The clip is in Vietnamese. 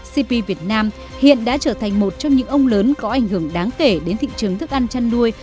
cp việt nam hiện đã trở thành một trong những ông lớn có ảnh hưởng đáng kể đến thị trường thức ăn chăn nuôi